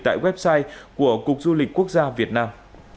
tại website của cục du lịch quốc gia việt nam